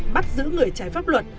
bắt giữ người trái pháp luật